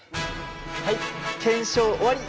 はい検証終わり。